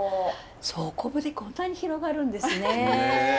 昆布でこんなに広がるんですね。